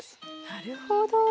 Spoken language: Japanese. なるほど。